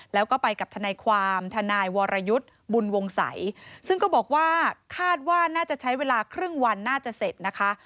แล้วก็ไปกับทนายความทนายวรยุทธ์บุญวงศัยซึ่งก็บอกว่าคาดว่าน่าจะใช้เวลาครึ่งวันน่าจะเสร็จนะคะ